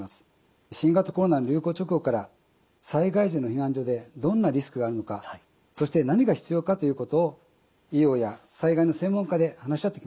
新型コロナの流行直後から災害時の避難所でどんなリスクがあるのかそして何が必要かということを医療や災害の専門家で話し合ってきました。